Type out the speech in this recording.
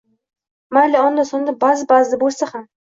Mayli onda-sonda baʼzi-baʼzida bo‘lsa ham.